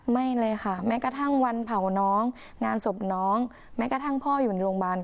ไม่เลยค่ะแม้กระทั่งวันเผาน้องงานศพน้องแม้กระทั่งพ่ออยู่ในโรงพยาบาล